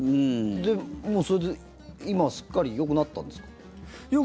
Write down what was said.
もうそれで今はすっかりよくなったんですか？